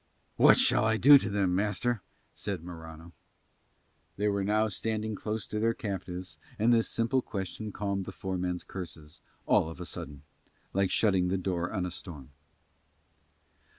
"What shall I do to them, master?" said Morano. They were now standing close to their captives and this simple question calmed the four men's curses, all of a sudden, like shutting the door on a storm.